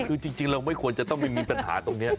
คือจริงเราไม่ควรจะต้องไปมีปัญหาตรงนี้